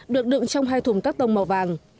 được đựng trong hai thùng các tông màu vàng